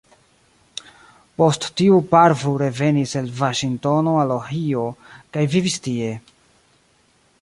Post tio Parvu revenis el Vaŝingtono al Ohio kaj vivis tie.